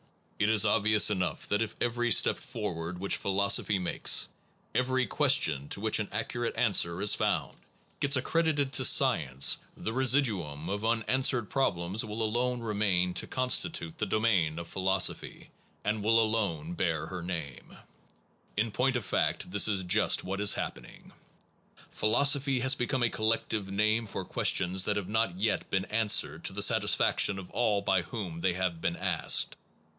It is obvious enough that if every step for ward which philosophy makes, every question to which an accurate answer is found, gets ao PHILOSOPHY AND ITS CRITICS credited to science the residuum of unan swered problems will alone remain to consti Phiioso ^ u ^ e ^ e Domain of philosophy, and phy is the w yj a l one bear her name. In point of residuum of prob fact this is just what is happening. lems un . solved by Philosophy has become a collective name for questions that have not yet been answered to the satisfaction of all by whom they have been asked.